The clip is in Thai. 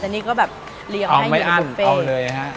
แต่นี่ก็แบบเลี้ยงให้อยู่อาเฟย์เอาไม่อ้ำเอาเลยฮะ